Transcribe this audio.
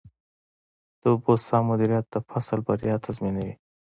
د اوبو سم مدیریت د فصل بریا تضمینوي.